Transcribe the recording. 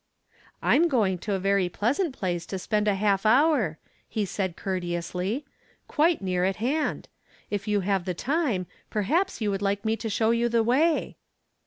" I'm going to a very pleasant place to spend a half hour," he said, courteously, " quite near at hand. If you have the time, perhaps you would like me to show you the way."